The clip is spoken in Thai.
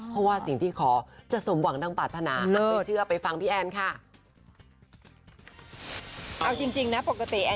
เพราะว่าสิ่งที่ขอจะสมหวังดังปรารถนา